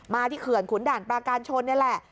ที่เขื่อนขุนด่านปราการชนนี่แหละ